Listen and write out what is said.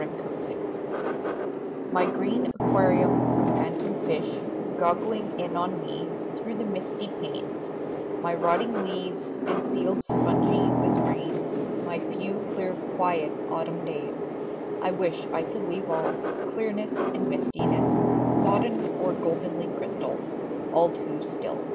THE REEF My green aquarium of phantom fish, Goggling in on me through the misty panes; My rotting leaves and fields spongy with rains; My few clear quiet autumn days I wish I could leave all, clearness and mistiness; Sodden or goldenly crystal, all too still.